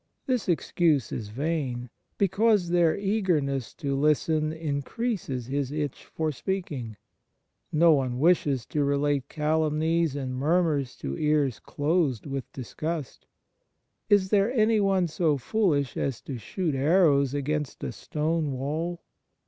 This excuse is vain, because their eagerness to listen in creases his itch for speaking. No one wishes 67 F 2 Fraternal Charity to relate calumnies and murmurs to ears closed with disgust. Is there anyone so foolish as to shoot arrows against a stone wall